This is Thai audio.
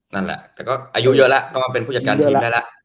นั่นแหละแต่ก็อายุเยอะแล้วก็มาเป็นผู้จัดการทีมได้แล้ว